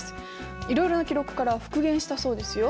いろいろな記録から復元したそうですよ。